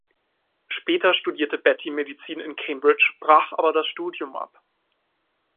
Später studierte Batty Medizin in Cambridge, brach aber das Studium ab.